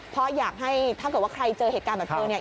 เพราะอยากให้ถ้าเกิดว่าใครเจอเหตุการณ์แบบเธอเนี่ย